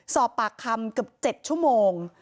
สอบปากคำเกือบ๗ชั่วโมง